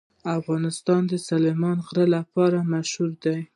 افغانستان د سلیمان غر لپاره مشهور دی.